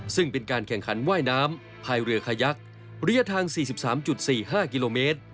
ซึ่งเป็นการแข่งขันว่ายน้ำพายเรือขยักระยะทาง๔๓๔๕กิโลเมตร